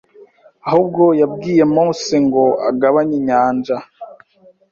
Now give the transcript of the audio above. ahubwo yabwiye Mose ngo agabanye inyanja